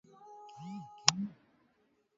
Kama uko na shamba wende katafute mikanda